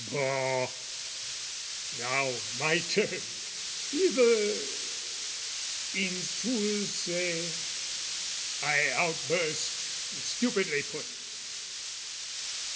Boh! Now, my turn! Either, Insulse! I outburst, Stupidly put!